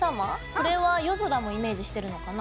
これは夜空もイメージしてるのかな？